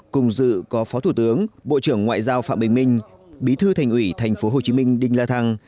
cùng dự có phó thủ tướng bộ trưởng ngoại giao phạm bình minh bí thư thành ủy tp hcm đinh la thăng